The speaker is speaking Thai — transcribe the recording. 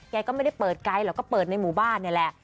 ก็ไม่ได้เปิดไกลหรอกก็เปิดในหมู่บ้านนี่แหละ